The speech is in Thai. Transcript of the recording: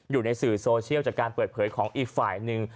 อยู่ในสื่อโซเชียลจากการเปิดเผยของอีกฝ่ายหนึ่ง